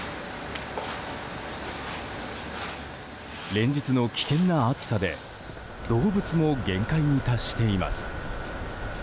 連日の危険な暑さで動物も限界に達しています。